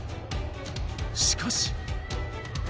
しかし。